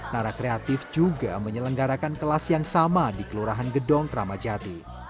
nara kreatif juga menyelenggarakan kelas yang sama di kelurahan gedong kramajati